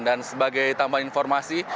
dan sebagai tambahan informasi